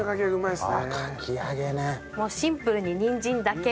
シンプルににんじんだけ。